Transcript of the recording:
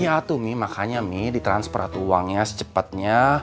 iya tuh mi makanya mi ditransferat uangnya secepatnya